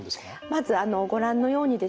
まずご覧のようにですね